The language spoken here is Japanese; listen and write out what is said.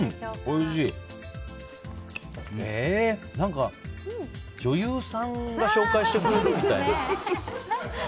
何か、女優さんが紹介してくれるみたいな。